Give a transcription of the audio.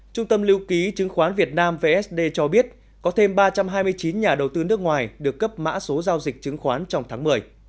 trung tâm lưu ký chứng khoán việt nam vsd cho biết có thêm ba trăm hai mươi chín nhà đầu tư nước ngoài được cấp mã số giao dịch chứng khoán trong tháng một mươi